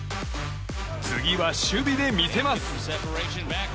次は守備で見せます。